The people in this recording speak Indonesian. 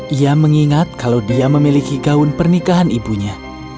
ia mengingat kalau dia memiliki gaun pernikahan ibunya